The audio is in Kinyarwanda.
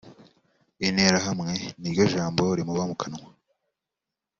Interahamwe niryo jambo rimuba mu kanwa